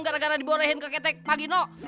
gara gara diborehin ke ketek pak gino